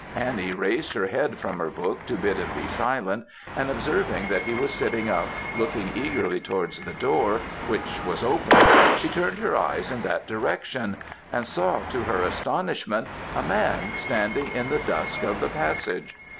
Annie raised her head from her book to bid him be silent, and observing that he was sitting up, looking eagerly towards the door, which was open, she turned her eyes in that direction, and saw to her astonishment, a man standing in the dusk of the passage.